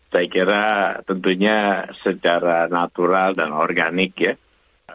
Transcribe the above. saya kira tentunya secara natural dan organik ya